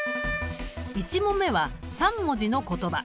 １問目は３文字の言葉。